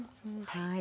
はい。